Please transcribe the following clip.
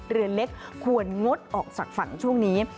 เรือเล็กควรงดออกจากฝั่งช่วงนี้